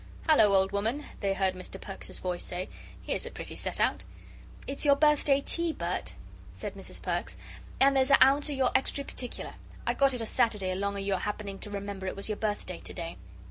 "Hullo, old woman!" they heard Mr. Perks's voice say; "here's a pretty set out!" "It's your birthday tea, Bert," said Mrs. Perks, "and here's a ounce of your extry particular. I got it o' Saturday along o' your happening to remember it was your birthday to day."